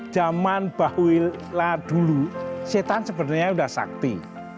zaman bahwila dulu setan sebenarnya sudah sakti